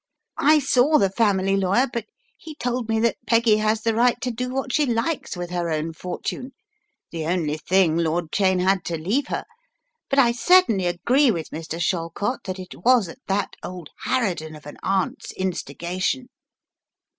"I saw the family lawyer but he told me that Peggy has the right to do what she likes with her own fortune, the only thing Lord Cheyne had to leave her, but I certainly agree with Mr. Shallcott that it was at that old harridan of an aunt's instigation."